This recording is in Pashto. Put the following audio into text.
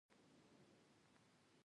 مړه ته د الله رضا غواړو